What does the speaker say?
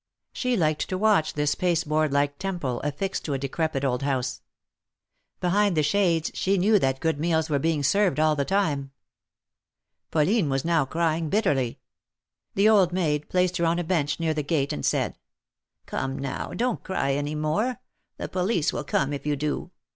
She liked to watch this pasteboard like temple affixed to a decrepid old house. Behind the shades she knew that good meals were being served all the time. Pauline was now crying bitterly. The old maid placed her on a bench near the gate, and said : Come, now, don't cry any more ; the police will come if you do.